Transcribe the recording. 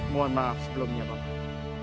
mohon maaf sebelumnya paman